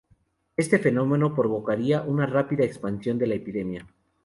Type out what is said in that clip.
Este fenómeno provocaría una rápida expansión de la epidemia.